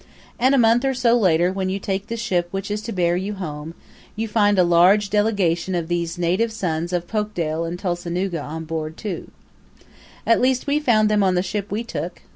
And a month or so later when you take the ship which is to bear you home, you find a large delegation of these native sons of Polkdale and Tulsanooga on board, too. At least we found them on the ship we took.